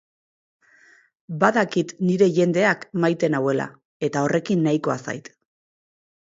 Badakit nire jendeak maite nauela, eta horrekin nahikoa zait.